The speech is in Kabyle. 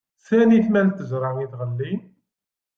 Sani tmal ttejṛa i tɣelli.